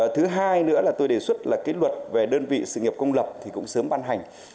thứ hai nữa là tôi đề xuất là cái luật về đơn vị sự nghiệp công lập thì cũng sớm ban hành